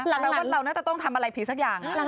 แปลว่าเราน่าจะต้องทำอะไรผิดสักอย่าง